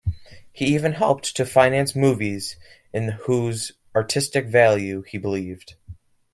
He even helped to finance movies in whose artistic value he believed.